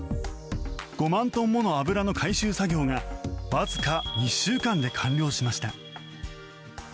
５万トンもの油の回収作業がわずか２週間で完了しました。